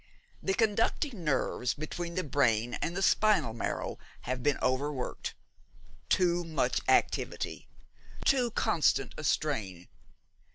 The conducting nerves between the brain and the spinal marrow have been overworked: too much activity, too constant a strain.